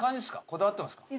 こだわってますか？